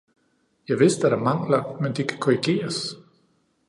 Javist er der mangler, men de kan korrigeres.